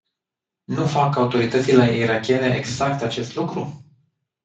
Nu fac autoritățile irakiene exact acest lucru?